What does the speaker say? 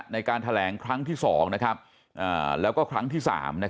ในการแถลงครั้งที่๒แล้วก็ครั้งที่๓